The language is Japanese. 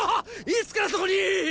いつからそこに！